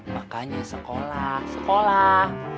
makanya sekolah sekolah